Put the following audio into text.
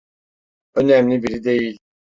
Önemli biri değil.